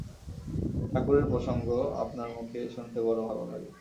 ঠাকুরের প্রসঙ্গ আপনার মুখে শুনতে বড় ভাল লাগে।